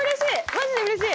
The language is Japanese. マジでうれしい！